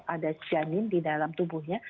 ada janin di dalam tubuhnya